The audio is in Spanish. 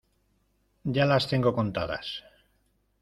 ya las tengo contadas.